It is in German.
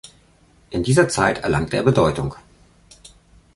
In dieser Zeit erlangte er Bedeutung.